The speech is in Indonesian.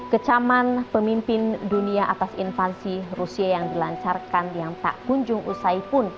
kecaman pemimpin dunia atas invasi rusia yang dilancarkan yang tak kunjung usai pun